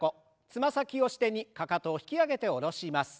つま先を支点にかかとを引き上げて下ろします。